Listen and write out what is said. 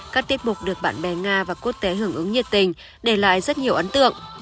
các tiết mục được bạn bè nga và quốc tế hưởng ứng nhiệt tình để lại rất nhiều ấn tượng